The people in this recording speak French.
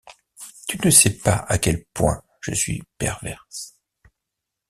Tu ne sais pas à quel point je suis perverse.